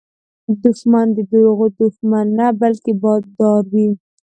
دښمن د دروغو دښمن نه، بلکې بادار وي